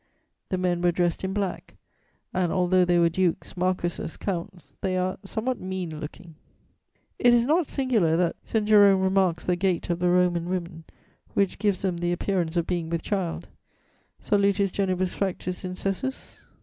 The men were dressed in black, and although they were "dukes, marquisses, counts," they "are somewhat mean looking." It is not singular that St. Jerome remarks the gait of the Roman women, which gives them the appearance of being with child: _solutis genibus fractus incessus?